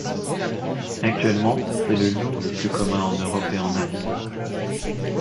Actuellement, c'est le loup le plus commun en Europe et en Asie.